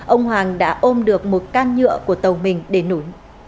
ông hoàng đã ôm được một can nhựa của tàu mình đến núi